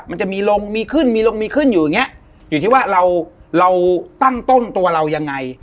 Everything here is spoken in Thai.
มันจะมีลงมีขึ้นมีลงมีขึ้นอยู่อย่างเงี้ยอยู่ที่ว่าเราเราตั้งต้นตัวเรายังไง